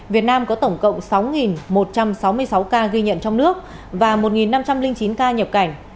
việt nam có tổng cộng sáu một trăm sáu mươi sáu ca ghi nhận trong nước và một năm trăm linh chín ca nhập cảnh